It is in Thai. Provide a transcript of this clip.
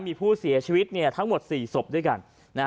มีผู้เสียชีวิตทั้งหมด๔ศพด้วยกัน